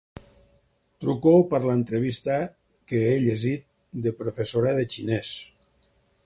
Truco per l'entrevista que he llegit de professora de xinès.